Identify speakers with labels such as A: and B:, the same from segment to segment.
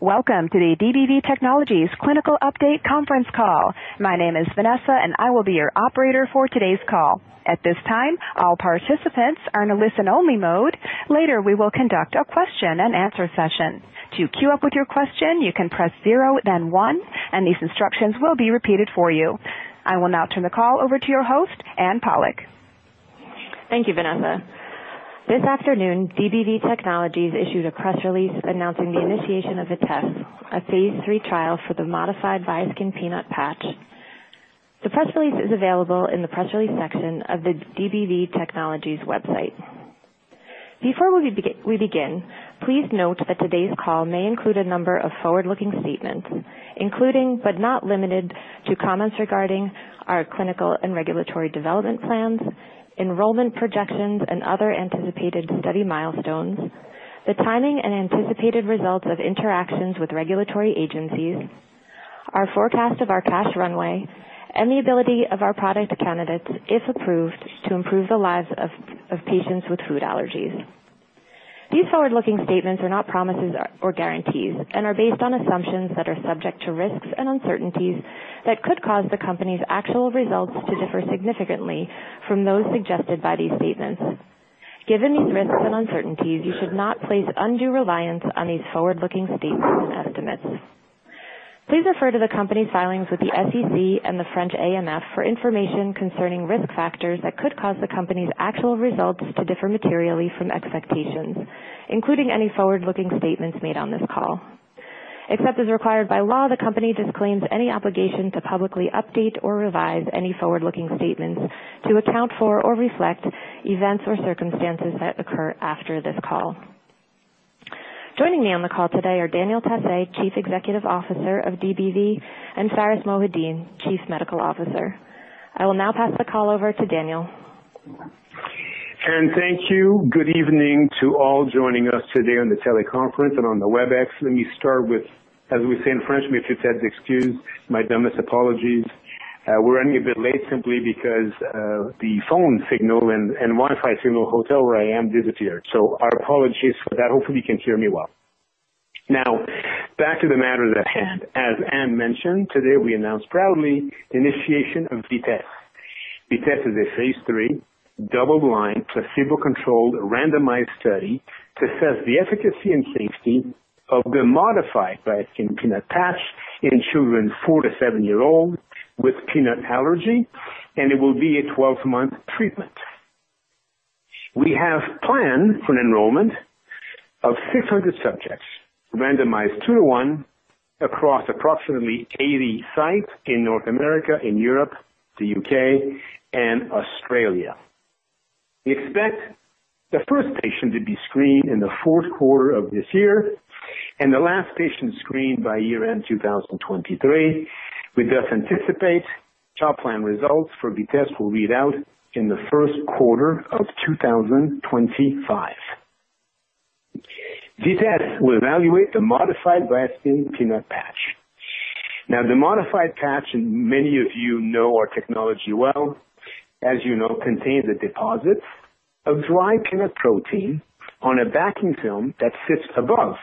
A: Welcome to the DBV Technologies Clinical Update Conference Call. My name is Vanessa, and I will be your operator for today's call. At this time, all participants are in a listen only mode. Later, we will conduct a question and answer session. To queue up with your question, you can press zero then one, and these instructions will be repeated for you. I will now turn the call over to your host, Anne Pollak.
B: Thank you Vanessa. This afternoon, DBV Technologies issued a press release announcing the initiation of the VITESSE, a phase III trial for the modified Viaskin Peanut patch. The press release is available in the press release section of the DBV Technologies website. Before we begin, please note that today's call may include a number of forward-looking statements, including but not limited to comments regarding our clinical and regulatory development plans, enrollment projections, and other anticipated study milestones, the timing and anticipated results of interactions with regulatory agencies, our forecast of our cash runway, and the ability of our product candidates if approved, to improve the lives of patients with food allergies. These forward-looking statements are not promises or guarantees and are based on assumptions that are subject to risks and uncertainties that could cause the company's actual results to differ significantly from those suggested by these statements. Given these risks and uncertainties, you should not place undue reliance on these forward-looking statements and estimates. Please refer to the company's filings with the SEC and the French AMF for information concerning risk factors that could cause the company's actual results to differ materially from expectations, including any forward-looking statements made on this call. Except as required by law, the company disclaims any obligation to publicly update or revise any forward-looking statements to account for or reflect events or circumstances that occur after this call. Joining me on the call today are Daniel Tassé, Chief Executive Officer of DBV, and Pharis Mohideen, Chief Medical Officer. I will now pass the call over to Daniel.
C: Anne thank you. Good evening to all joining us today on the teleconference and on the WebEx. Let me start with, as we say in French, excuse my humblest apologies. We're running a bit late simply because the phone signal and Wi-Fi signal at the hotel where I am isn't there. Our apologies for that. Hopefully, you can hear me well. Now, back to the matter at hand. As Anne mentioned, today we announce proudly initiation of VITESSE. VITESSE is a phase III double-blind, placebo-controlled, randomized study to assess the efficacy and safety of the modified Viaskin Peanut patch in children four-seven years old with peanut allergy, and it will be a 12-month treatment. We have planned for an enrollment of 600 subjects randomized 2:1 across approximately 80 sites in North America, in Europe, the UK, and Australia. We expect the first patient to be screened in the fourth quarter of this year and the last patient screened by year-end 2023. We thus anticipate top line results for VITESSE will read out in the first quarter of 2025. VITESSE will evaluate the modified Viaskin Peanut patch. Now, the modified patch, and many of you know our technology well, as you know contains the deposits of dry peanut protein on a backing film that sits above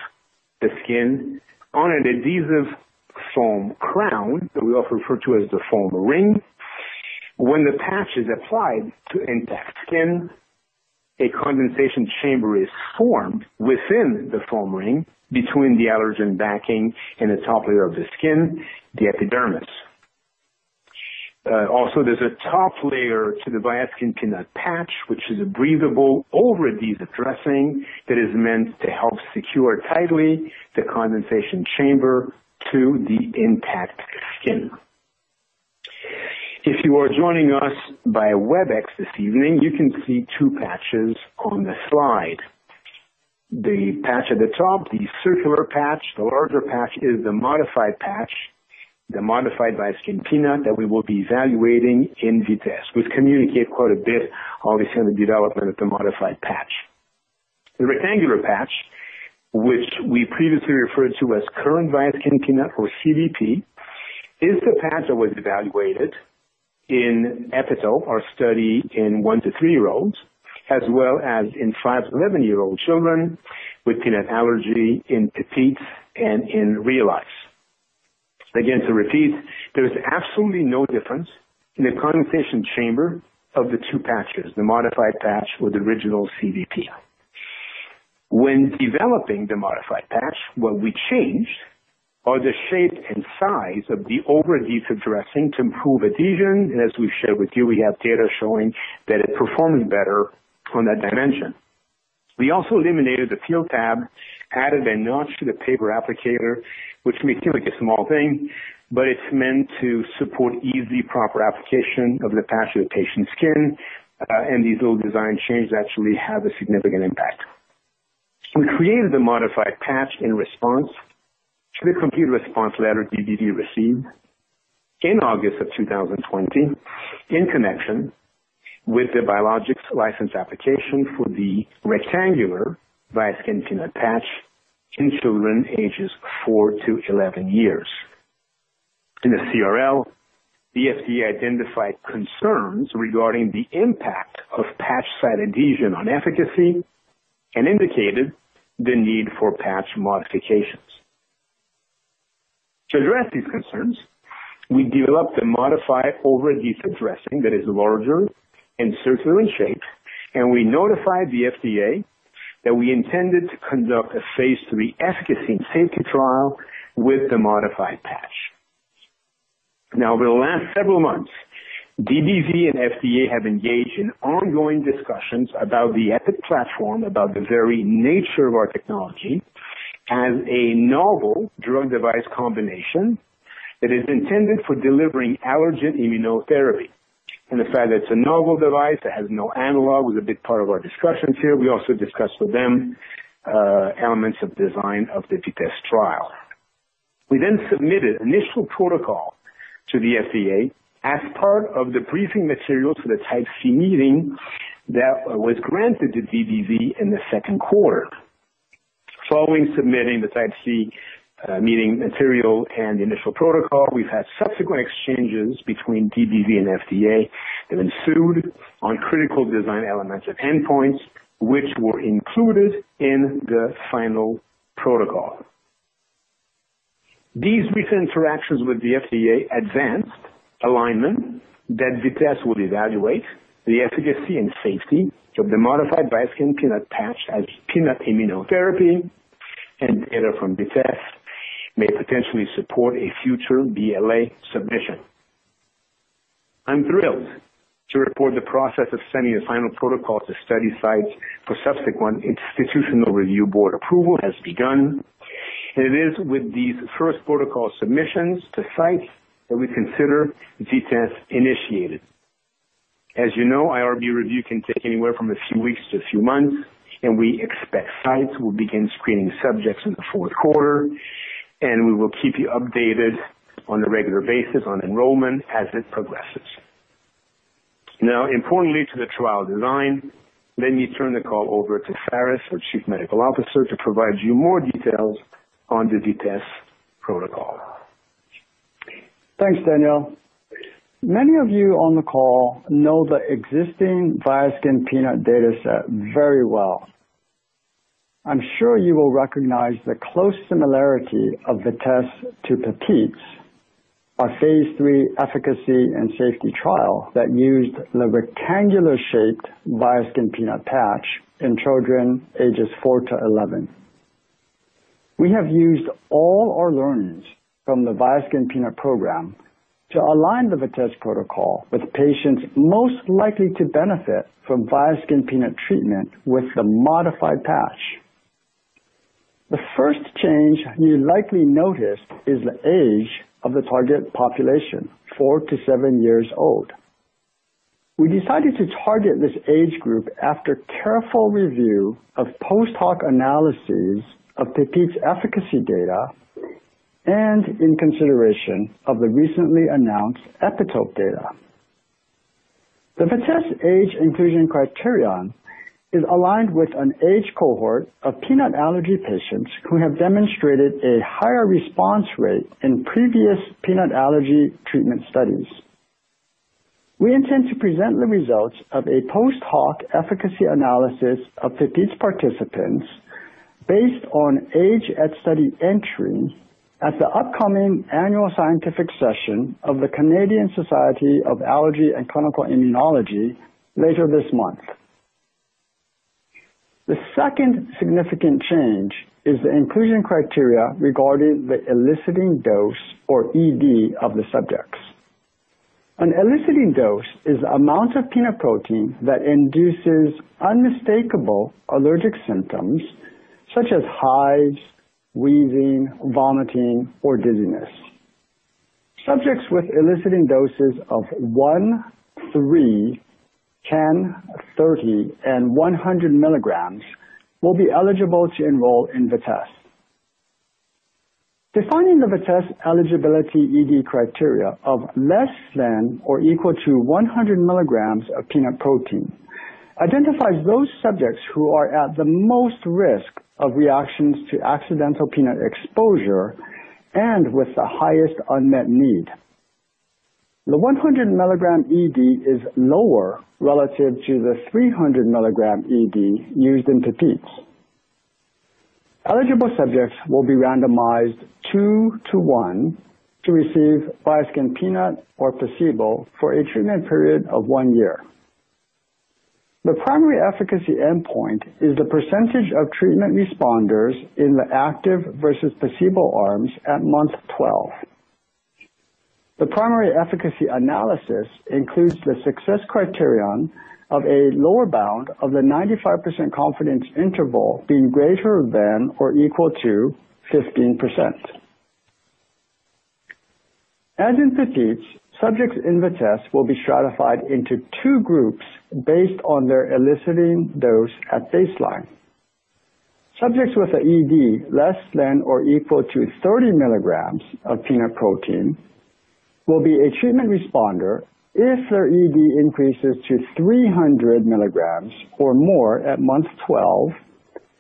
C: the skin on an adhesive foam crown that we often refer to as the foam ring. When the patch is applied to intact skin, a condensation chamber is formed within the foam ring between the allergen backing and the top layer of the skin, the epidermis. Also, there's a top layer to the Viaskin Peanut patch, which is a breathable over-adhesive dressing that is meant to help secure tightly the condensation chamber to the intact skin. If you are joining us by WebEx this evening, you can see two patches on the slide. The patch at the top, the circular patch. The larger patch is the modified patch, the modified Viaskin Peanut that we will be evaluating in VITESSE. We've communicated quite a bit already on the development of the modified patch. The rectangular patch, which we previously referred to as Current Viaskin Peanut or CVP, is the patch that was evaluated in EPITOPE, our study in 1-3 year-olds, as well as in 5-11 year-old children with peanut allergy in PEPITES and in REALISE. Again to repeat, there is absolutely no difference in the condensation chamber of the two patches, the modified patch or the original CVP. When developing the modified patch, what we changed are the shape and size of the over-adhesive dressing to improve adhesion. As we've shared with you, we have data showing that it performed better on that dimension. We also eliminated the peel tab, added a notch to the paper applicator, which may feel like a small thing, but it's meant to support easy-proper application of the patch to the patient's skin. These little design changes actually have a significant impact. We created the modified patch in response to the Complete Response Letter DBV received in August of 2020 in connection with the Biologics License Application for the rectangular Viaskin Peanut patch in children ages 4-11 years. In the CRL, the FDA identified concerns regarding the impact of patch site adhesion on efficacy and indicated the need for patch modifications. To address these concerns, we developed a modified over-adhesive dressing that is larger and circular in shape, and we notified the FDA that we intended to conduct a phase III efficacy and safety trial with the modified patch. Now, over the last several months, DBV and FDA have engaged in ongoing discussions about the EPIT platform, about the very nature of our technology as a novel drug device combination that is intended for delivering allergen immunotherapy. The fact that it's a novel device that has no analog was a big part of our discussions here. We also discussed with them elements of design of the VITESSE trial. We then submitted initial protocol to the FDA as part of the briefing material to the Type C meeting that was granted to DBV in the second quarter. Following submitting the Type C meeting material and initial protocol, we've had subsequent exchanges between DBV and FDA that ensued on critical design elements and endpoints which were included in the final protocol. These recent interactions with the FDA advanced alignment that VITESSE would evaluate the efficacy and safety of the modified Viaskin Peanut patch as peanut immunotherapy, and data from VITESSE may potentially support a future BLA submission. I'm thrilled to report the process of sending the final protocol to study sites for subsequent institutional review board approval has begun. It is with these first protocol submissions to sites that we consider VITESSE initiated. As you know, IRB review can take anywhere from a few weeks to a few months, and we expect sites will begin screening subjects in the fourth quarter, and we will keep you updated on a regular basis on enrollment as it progresses. Now, importantly to the trial design, let me turn the call over to Pharis, our Chief Medical Officer, to provide you more details on the VITESSE protocol.
D: Thanks Daniel. Many of you on the call know the existing Viaskin Peanut data set very well. I'm sure you will recognize the close similarity of the test to PEPITES, our phase III efficacy and safety trial that used the rectangular-shaped Viaskin Peanut patch in children ages 4-11. We have used all our learnings from the Viaskin Peanut program to align the VITESSE protocol with patients most likely to benefit from Viaskin Peanut treatment with the modified patch. The first change you likely noticed is the age of the target population, 4-7 years old. We decided to target this age group after careful review of post hoc analyses of PEPITES's efficacy data and in consideration of the recently announced EPITOPE data. The VITESSE age inclusion criterion is aligned with an age cohort of peanut allergy patients who have demonstrated a higher response rate in previous peanut allergy treatment studies. We intend to present the results of a post hoc efficacy analysis of PEPITES's participants based on age at study entry at the upcoming annual scientific session of the Canadian Society of Allergy and Clinical Immunology later this month. The second significant change is the inclusion criteria regarding the eliciting dose, or ED, of the subjects. An eliciting dose is the amount of peanut protein that induces unmistakable allergic symptoms such as hives, wheezing, vomiting, or dizziness. Subjects with eliciting doses of 1, 3, 10, 30, and 100 milligrams will be eligible to enroll in VITESSE. Defining the VITESSE eligibility ED criteria of less than or equal to 100 milligrams of peanut protein identifies those subjects who are at the most risk of reactions to accidental peanut exposure and with the highest unmet need. The 100 milligram ED is lower relative to the 300 milligram ED used in PEPITES. Eligible subjects will be randomized 2:1 to receive Viaskin Peanut or placebo for a treatment period of one year. The primary efficacy endpoint is the percentage of treatment responders in the active versus placebo arms at month 12. The primary efficacy analysis includes the success criterion of a lower bound of the 95% confidence interval being greater than or equal to 15%. As in PEPITES, subjects in VITESSE will be stratified into two groups based on their eliciting dose at baseline. Subjects with an ED less than or equal to 30 milligrams of peanut protein will be a treatment responder if their ED increases to 300 milligrams or more at month 12,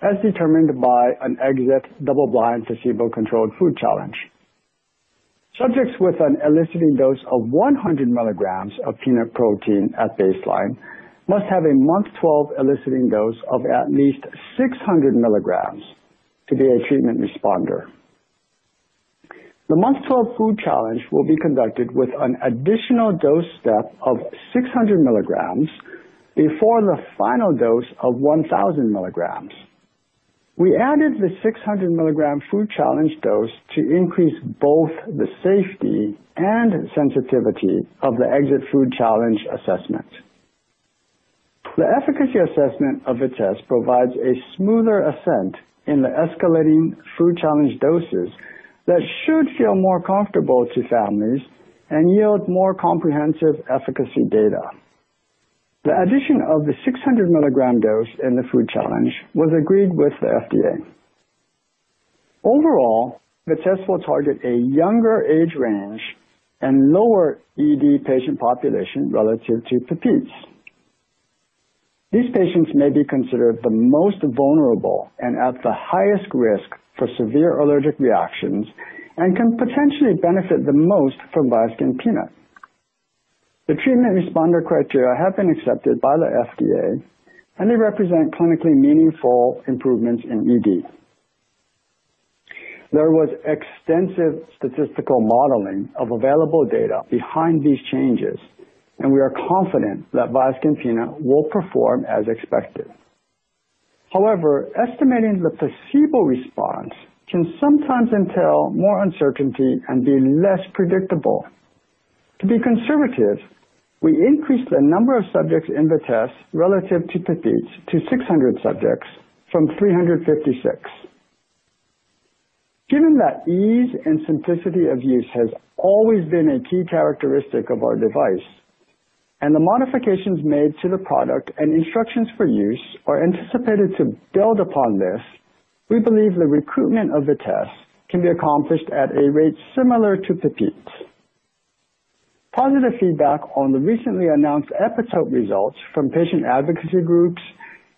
D: as determined by an exit double-blind, placebo-controlled food challenge. Subjects with an eliciting dose of 100 milligrams of peanut protein at baseline must have a month 12 eliciting dose of at least 600 milligrams to be a treatment responder. The month 12 food challenge will be conducted with an additional dose step of 600 milligrams before the final dose of 1,000 milligrams. We added the 600 milligram food challenge dose to increase both the safety and sensitivity of the exit food challenge assessment. The efficacy assessment of the test provides a smoother ascent in the escalating food challenge doses that should feel more comfortable to families and yield more comprehensive efficacy data. The addition of the 600 milligram dose in the food challenge was agreed with the FDA. Overall, the test will target a younger age range and lower ED patient population relative to PEPITES. These patients may be considered the most vulnerable and at the highest risk for severe allergic reactions and can potentially benefit the most from Viaskin Peanut. The treatment responder criteria have been accepted by the FDA, and they represent clinically meaningful improvements in ED. There was extensive statistical modeling of available data behind these changes, and we are confident that Viaskin Peanut will perform as expected. However, estimating the placebo response can sometimes entail more uncertainty and be less predictable. To be conservative, we increased the number of subjects in the test relative to PEPITES to 600 subjects from 356. Given that ease and simplicity of use has always been a key characteristic of our device, and the modifications made to the product and instructions for use are anticipated to build upon this, we believe the recruitment of the test can be accomplished at a rate similar to PEPITE. Positive feedback on the recently announced EPITOPE results from patient advocacy groups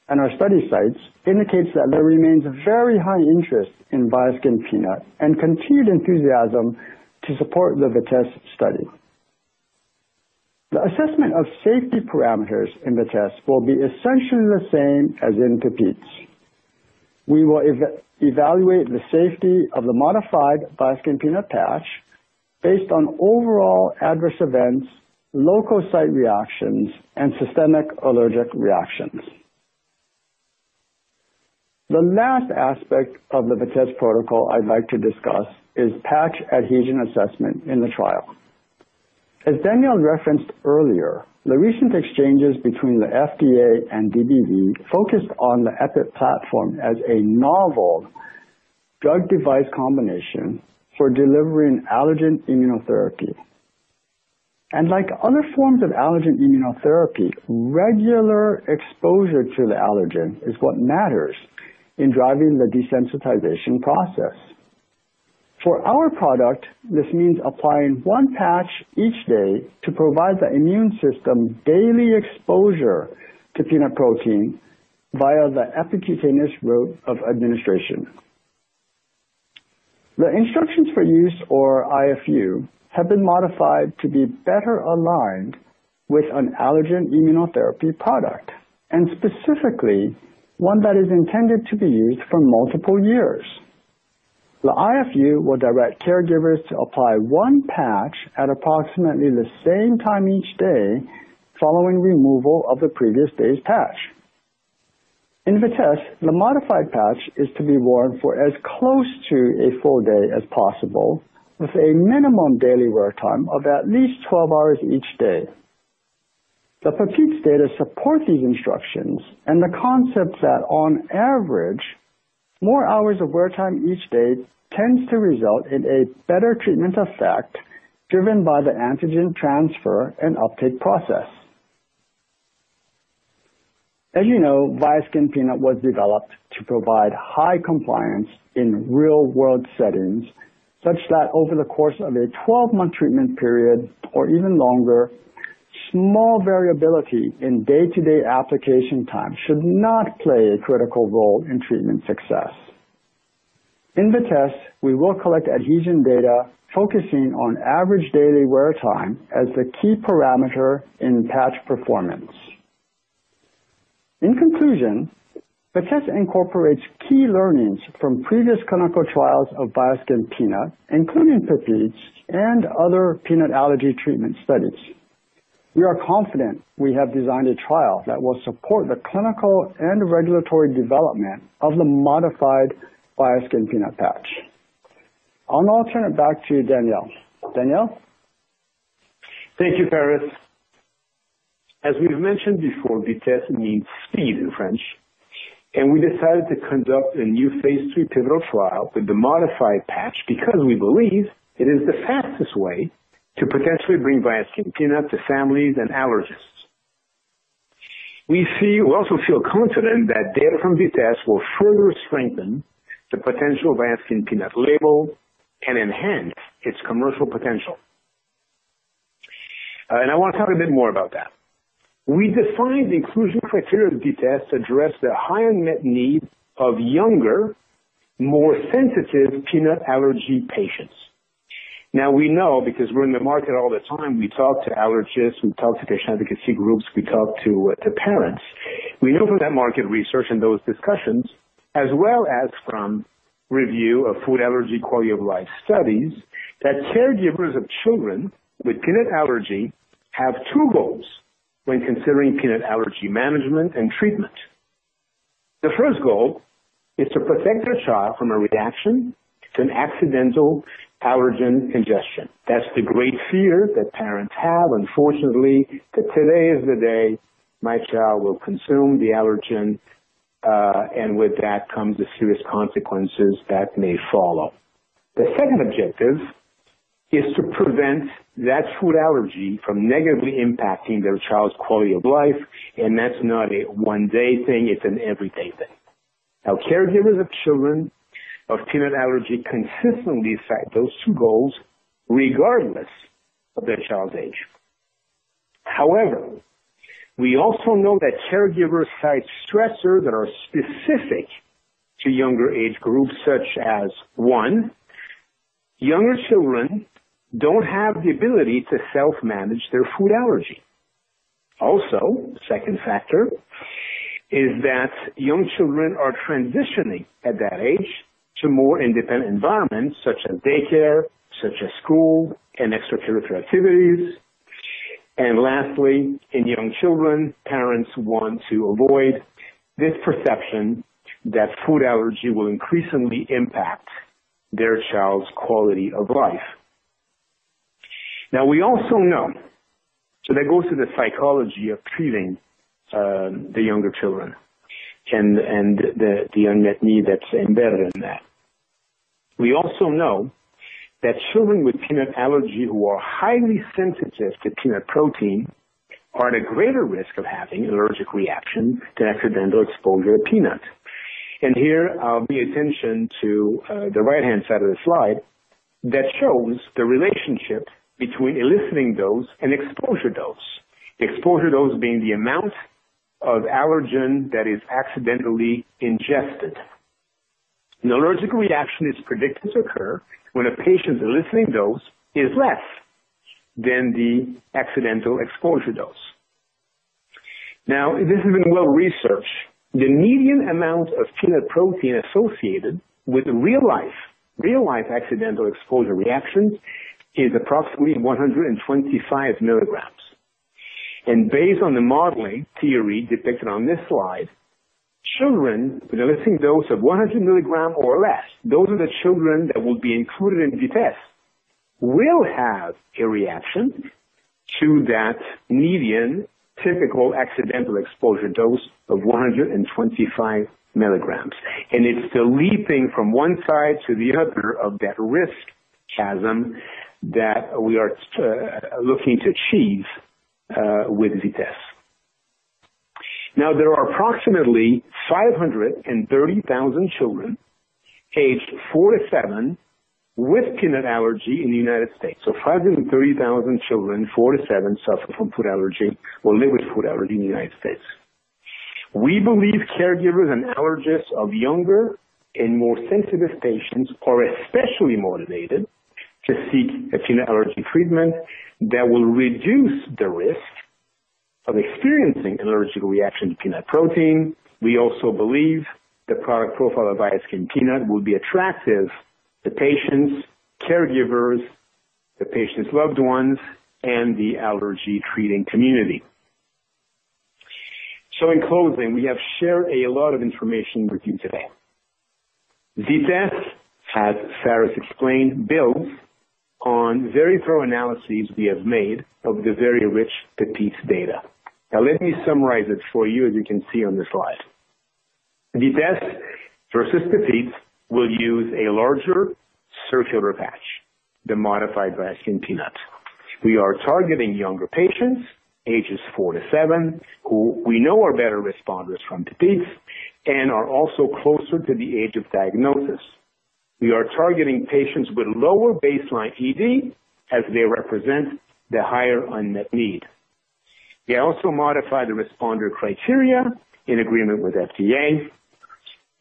D: and our study sites indicates that there remains a very high interest in Viaskin Peanut and continued enthusiasm to support the VITESSE study. The assessment of safety parameters in the test will be essentially the same as in PEPITE. We will evaluate the safety of the modified Viaskin Peanut patch based on overall adverse events, local site reactions, and systemic allergic reactions. The last aspect of the VITESSE protocol I'd like to discuss is patch adhesion assessment in the trial. As Daniel referenced earlier, the recent exchanges between the FDA and DBV focused on the EPIT platform as a novel drug device combination for delivering allergen immunotherapy. Like other forms of allergen immunotherapy, regular exposure to the allergen is what matters in driving the desensitization process. For our product, this means applying one patch each day to provide the immune system daily exposure to peanut protein via the epicutaneous route of administration. The instructions for use or IFU have been modified to be better aligned with an allergen immunotherapy product, and specifically ,one that is intended to be used for multiple years. The IFU will direct caregivers to apply one patch at approximately the same time each day following removal of the previous day's patch. In VITESSE, the modified patch is to be worn for as close to a full day as possible, with a minimum daily wear time of at least 12 hours each day. The PAPITE data supports these instructions and the concept that on average, more hours of wear time each day tends to result in a better treatment effect driven by the antigen transfer and uptake process. As you know, Viaskin Peanut was developed to provide high compliance in real-world settings, such that over the course of a 12-month treatment period or even longer, small variability in day-to-day application time should not play a critical role in treatment success. In VITESSE, we will collect adhesion data focusing on average daily wear time as the key parameter in patch performance. In conclusion, VITESSE incorporates key learnings from previous clinical trials of Viaskin Peanut, including PAPITE and other peanut allergy treatment studies. We are confident we have designed a trial that will support the clinical and regulatory development of the modified Viaskin Peanut patch. I'll now turn it back to Daniel. Daniel?
C: Thank you Pharis. As we've mentioned before, VITESSE means speed in French, and we decided to conduct a new phase III pivotal trial with the modified patch because we believe it is the fastest way to potentially bring Viaskin Peanut to families and allergists. We also feel confident that data from VITESSE will further strengthen the potential Viaskin Peanut label and enhance its commercial potential. I wanna talk a bit more about that. We defined the inclusion criteria of VITESSE to address the higher unmet need of younger, more sensitive peanut allergy patients. Now, we know because we're in the market all the time, we talk to allergists, we talk to patient advocacy groups, we talk to parents. We know from that market research and those discussions as well as from review of food allergy quality of life studies, that caregivers of children with peanut allergy have two goals when considering peanut allergy management and treatment. The first goal is to protect their child from a reaction to an accidental allergen ingestion. That's the great fear that parents have, unfortunately, that today is the day my child will consume the allergen, and with that comes the serious consequences that may follow. The second objective is to prevent that food allergy from negatively impacting their child's quality of life, and that's not a one day thing, it's an everyday thing. Now, caregivers of children of peanut allergy consistently cite those two goals regardless of their child's age. However, we also know that caregivers cite stressors that are specific to younger age groups such as: One, younger children don't have the ability to self-manage their food allergy. Also, second factor, is that young children are transitioning at that age to more independent environments such as daycare, such as school and extracurricular activities, and lastly, in young children, parents want to avoid this perception that food allergy will increasingly impact their child's quality of life. Now, we also know, so that goes to the psychology of treating the younger children and the unmet need that's embedded in that. We also know that children with peanut allergy who are highly sensitive to peanut protein are at a greater risk of having allergic reaction to accidental exposure to peanut. Here, I'll pay attention to the right-hand side of the slide that shows the relationship between eliciting dose and exposure dose. Exposure dose being the amount of allergen that is accidentally ingested. An allergic reaction is predicted to occur when a patient's eliciting dose is less than the accidental exposure dose. Now, this has been well researched. The median amount of peanut protein associated with real-life accidental exposure reactions is approximately 125 milligrams. Based on the modeling theory depicted on this slide, children with eliciting dose of 100 milligrams or less, those are the children that will be included in VITESSE, will have a reaction to that median typical accidental exposure dose of 125 milligrams. It's the leaping from one side to the other of that risk chasm that we are looking to achieve with VITESSE. Now, there are approximately 530,000 children aged 4-7 with peanut allergy in the United States. Five hundred and thirty thousand children, 4-7, suffer from food allergy or live with food allergy in the United States. We believe caregivers and allergists of younger and more sensitive patients are especially motivated to seek a peanut allergy treatment that will reduce the risk of experiencing allergic reaction to peanut protein. We also believe, the product profile of Viaskin Peanut will be attractive to patients, caregivers, the patient's loved ones, and the allergy treating community. In closing, we have shared a lot of information with you today. VITESSE, as Pharis explained, builds on very thorough analyses we have made of the very rich PEPITES data. Now let me summarize it for you as you can see on the slide. VITESSE versus PEPITES will use a larger circular patch, the modified Viaskin Peanut. We are targeting younger patients, ages four to seven, who we know are better responders from PEPITES and are also closer to the age of diagnosis. We are targeting patients with lower baseline ED, as they represent the higher unmet need. We also modified the responder criteria in agreement with FDA.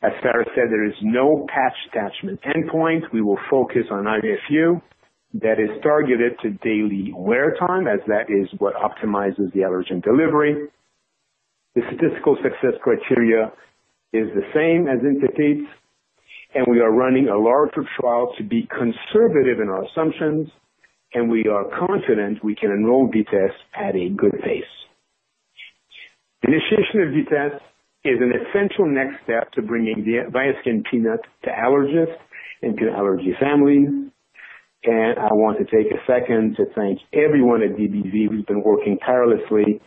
C: As Pharis said, there is no patch detachment endpoint. We will focus on IFU that is targeted to daily wear time, as that is what optimizes the allergen delivery. The statistical success criteria is the same as in PEPITES, and we are running a larger trial to be conservative in our assumptions, and we are confident we can enroll VITESSE at a good pace. Initiation of VITESSE is an essential next step to bringing Viaskin Peanut to allergists and to allergy families. I want to take a second to thank everyone at DBV who's been working tirelessly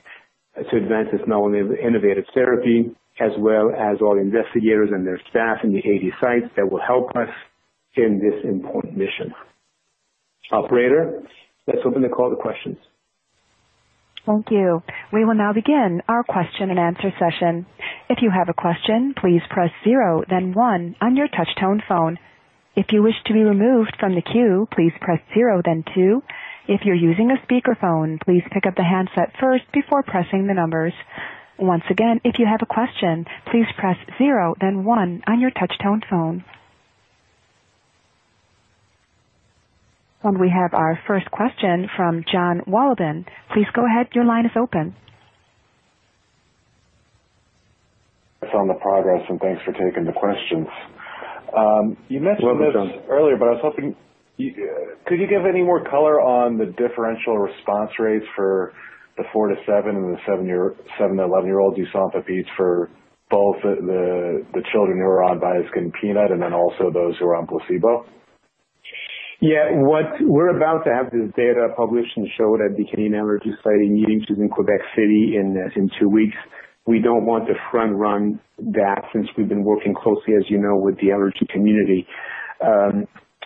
C: to advance this innovative therapy, as well as all investigators and their staff in the AD sites that will help us in this important mission. Operator, let's open the call to questions.
A: Thank you. We will now begin our question and answer session. If you have a question, please press zero, then one on your touchtone phone. If you wish to be removed from the queue, please press zero then two. If you're using a speakerphone, please pick up the handset first before pressing the numbers. Once again, if you have a question, please press zero then one on your touchtone phone. We have our first question from John Walden. Please go ahead. Your line is open.
E: On the progress, and thanks for taking the questions. You mentioned this earlier, but I was hoping you could give any more color on the differential response rates for the 4-7 and the 7-11-year-olds you saw in the PEPITES for both the children who are on Viaskin Peanut and then also those who are on placebo?
C: Yeah. We're about to have this data published and showed at the Canadian Allergy Society meetings in Quebec City in two weeks. We don't want to front run that since we've been working closely, as you know, with the allergy community.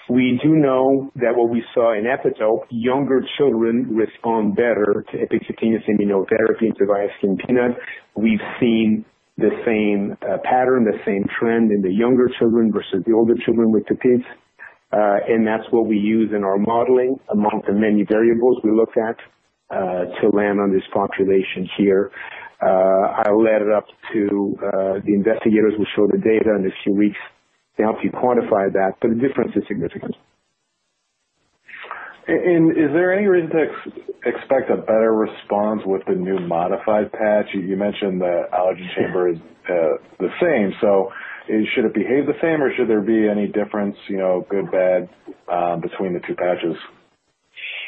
C: We do know that what we saw in EPITOPE, younger children respond better to epicutaneous immunotherapy to Viaskin Peanut. We've seen the same pattern, the same trend in the younger children versus the older children with PEPITES. That's what we use in our modeling among the many variables we looked at to land on this population here. I'll leave it up to the investigators who show the data in a few weeks to help you quantify that, but the difference is significant.
E: Is there any reason to expect a better response with the new modified patch? You mentioned the allergy chamber is the same. Should it behave the same, or should there be any difference, you know, good, bad, between the two patches?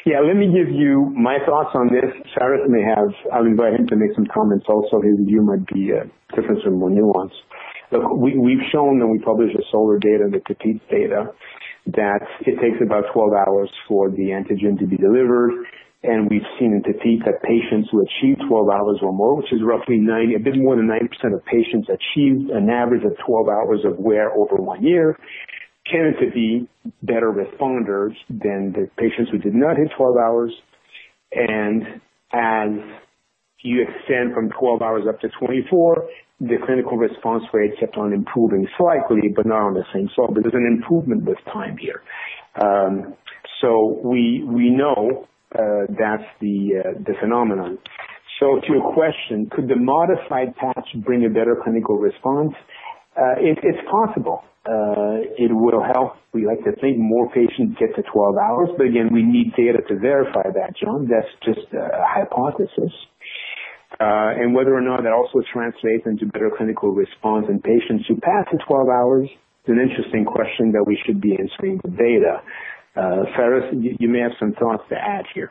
C: Yeah. Let me give you my thoughts on this. Pharis may have, I'll invite him to make some comments also. His view might be different or more nuanced. Look, we've shown, and we published the SOLAIRE data and the PEPITES data, that it takes about 12 hours for the antigen to be delivered and we've seen in PEPITES that patients who achieve 12 hours or more, which is roughly 90, a bit more than 90% of patients achieve an average of 12 hours of wear over one year, tend to be better responders than the patients who did not hit 12 hours. As you extend from 12 hours up to 24, the clinical response rate kept on improving slightly, but not on the same slope. There's an improvement with time here. We know that's the phenomenon. To your question, could the modified patch bring a better clinical response? It's possible. It will help. We like to think more patients get to 12 hours, but again, we need data to verify that, John. That's just a hypothesis. Whether or not that also translates into better clinical response in patients who pass the 12 hours is an interesting question that we should be answering with data. Pharis, you may have some thoughts to add here.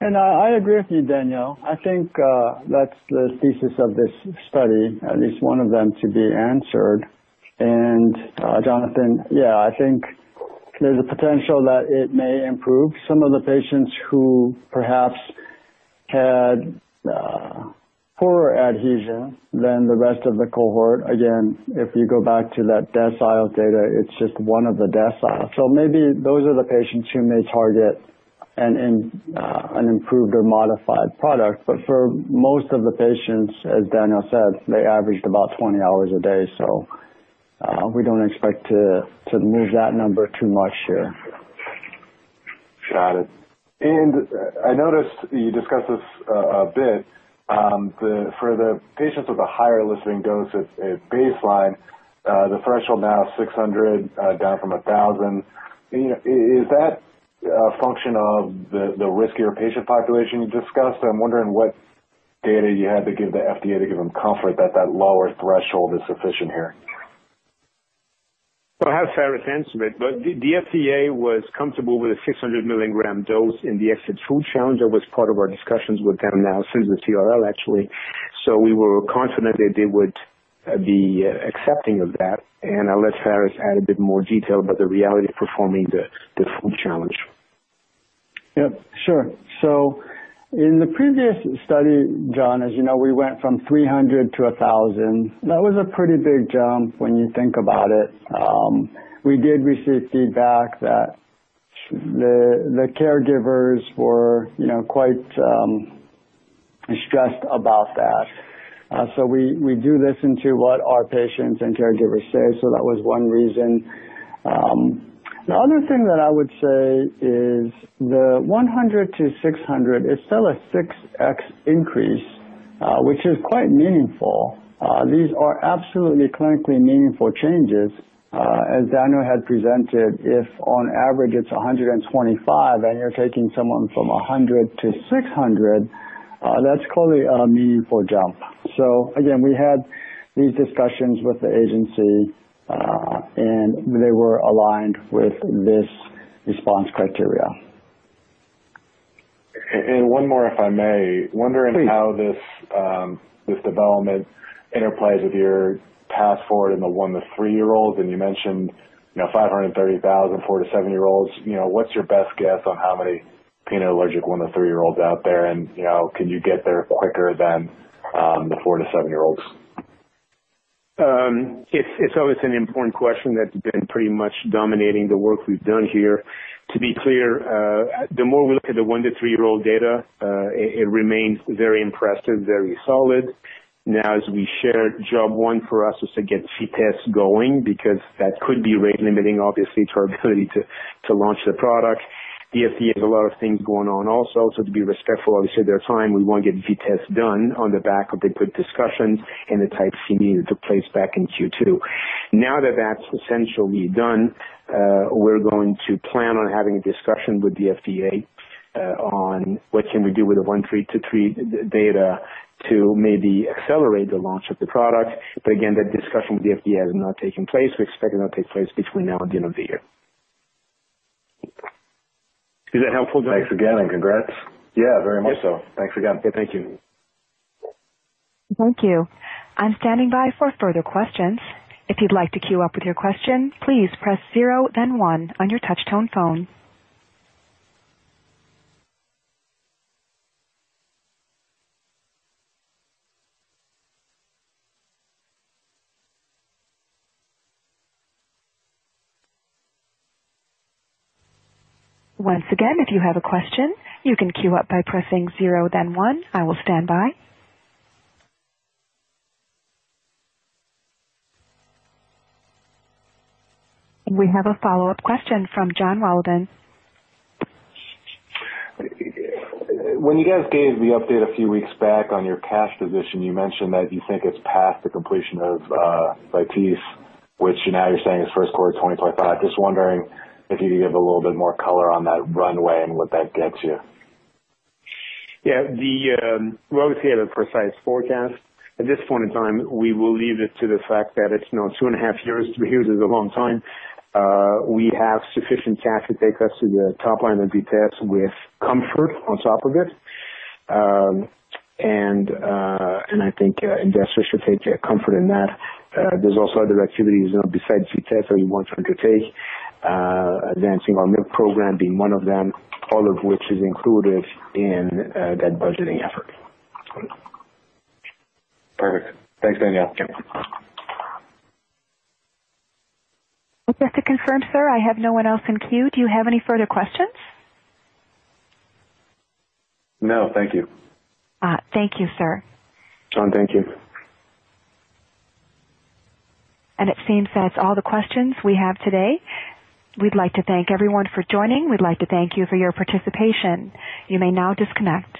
D: I agree with you Daniel. I think that's the thesis of this study, at least one of them to be answered. Jonathan, yeah, I think there's a potential that it may improve some of the patients who perhaps had poorer adhesion than the rest of the cohort. Again, if you go back to that decile data, it's just one of the deciles. Maybe those are the patients who may target an improved or modified product. But for most of the patients, as Daniel said, they averaged about 20 hours a day. We don't expect to move that number too much here.
E: Got it. I noticed you discussed this a bit. For the patients with a higher eliciting dose at baseline, the threshold now 600, down from 1,000. Is that a function of the riskier patient population you discussed? I'm wondering what data you had to give the FDA to give them comfort that that lower threshold is sufficient here.
C: I'll have Pharis answer it, but the FDA was comfortable with a 600 milligram dose in the exit food challenge. That was part of our discussions with them not since the CRL, actually. We were confident that they would be accepting of that. I'll let Pharis add a bit more detail about the reality of performing the food challenge.
D: Yep, sure. In the previous study, John, as you know, we went from 300-1,000. That was a pretty big jump when you think about it. We did receive feedback that the caregivers were, you know, quite stressed about that. We do listen to what our patients and caregivers say. That was one reason. The other thing that I would say is the 100-600 is still a 6x increase, which is quite meaningful. These are absolutely clinically meaningful changes. As Daniel had presented, if on average it's 125, and you're taking someone from 100-600, that's clearly a meaningful jump. Again, we had these discussions with the agency, and they were aligned with this response criteria.
E: One more if I may. Wondering how this development interplays with your path forward in the 1-3 year-olds, and you mentioned, you know, 530,000 4-7 year-olds. You know, what's your best guess on how many peanut-allergic 1-3 year-olds out there, and, you know, can you get there quicker than the 4-7 year-olds?
C: It's always an important question that's been pretty much dominating the work we've done here. To be clear, the more we look at the 1-3 year-old data, it remains very impressive, very solid. Now, as we shared, job one for us is to get VITESSE going because that could be rate limiting obviously to our ability to launch the product. The FDA has a lot of things going on also, so to be respectful, obviously, of their time, we want to get VITESSE done on the back of the quick discussions and the Type C meeting that took place back in Q2. Now that that's essentially done, we're going to plan on having a discussion with the FDA, on what can we do with the 1-3-year-old data to maybe accelerate the launch of the product. Again, that discussion with the FDA has not taken place. We expect it will take place between now and the end of the year.
E: Is that helpful? Thanks again and congrats.
C: Yeah, very much so.
E: Thanks again.
C: Yeah, thank you.
A: Thank you. I'm standing by for further questions. If you'd like to queue up with your question, please press zero then one on your touch tone phone. Once again, if you have a question, you can queue up by pressing zero then one. I will stand by. We have a follow-up question from John Waldon.
E: When you guys gave the update a few weeks back on your cash position, you mentioned that you think it's past the completion of VITESSE, which now you're saying is first quarter 2025. Just wondering if you could give a little bit more color on that runway and what that gets you.
C: Yeah. We obviously have a precise forecast. At this point in time, we will leave it to the fact that it's, you know, two and a half years. Two years is a long time. We have sufficient cash to take us to the top line of VITESSE with comfort on top of it. I think investors should take comfort in that. There's also other activities, you know, besides VITESSE that we want to undertake, advancing our milk program being one of them, all of which is included in that budgeting effort.
E: Perfect. Thanks Daniel.
C: Yeah.
A: Just to confirm sir, I have no one else in queue. Do you have any further questions?
E: No thank you.
A: Thank you sir.
C: John, thank you.
A: It seems that's all the questions we have today. We'd like to thank everyone for joining. We'd like to thank you for your participation. You may now disconnect.